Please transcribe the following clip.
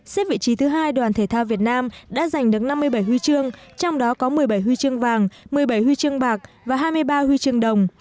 xếp vị trí thứ hai đoàn thể thao việt nam đã giành được năm mươi bảy huy chương trong đó có một mươi bảy huy chương vàng một mươi bảy huy chương bạc và hai mươi ba huy chương đồng